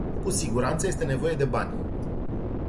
Cu siguranță este nevoie de bani.